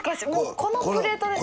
このプレートです。